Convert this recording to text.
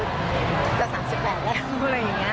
ตั้งแต่๓๘แล้ว